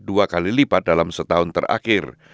dua kali lipat dalam setahun terakhir